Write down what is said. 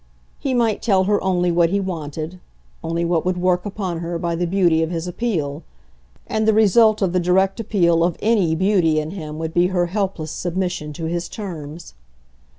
He might tell her only what he wanted, only what would work upon her by the beauty of his appeal; and the result of the direct appeal of ANY beauty in him would be her helpless submission to his terms.